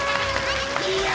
いや！